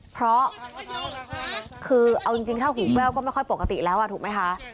เพราะคือเอาจริงถ้าหูแว่วก็ไม่ค่อยปกติแล้วถูกไหมคะ